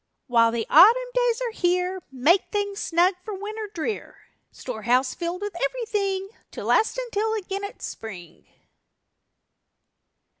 While the Autumn days are here Make things snug for Winter drear; Storehouse filled with everything To last until again it's Spring.